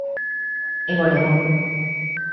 En Oregón.